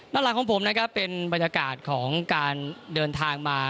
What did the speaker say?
ด้านหลังของผมนะครับเป็นบรรยากาศของการเดินทางมา